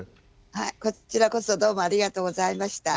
こちらこそどうもありがとうございました。